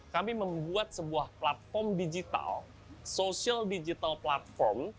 kami membuat sebuah platform digital social digital platform